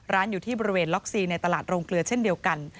อยู่ที่บริเวณล็อกซีในตลาดโรงเกลือเช่นเดียวกัน